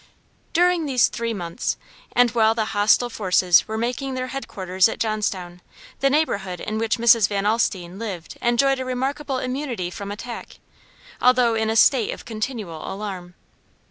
During these three months, and while the hostile forces were making their headquarters at Johnstown, the neighborhood in which Mrs. Van Alstine lived enjoyed a remarkable immunity from attack, although in a state of continual alarm.